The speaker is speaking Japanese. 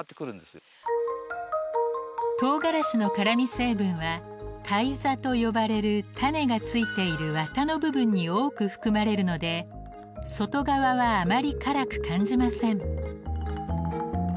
とうがらしの辛み成分は胎座と呼ばれる種が付いているワタの部分に多く含まれるので外側はあまり辛く感じません。